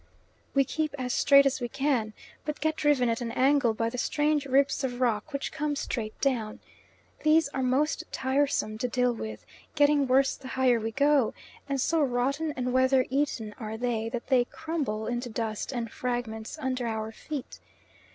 We keep as straight as we can, but get driven at an angle by the strange ribs of rock which come straight down. These are most tiresome to deal with, getting worse the higher we go, and so rotten and weather eaten are they that they crumble into dust and fragments under our feet.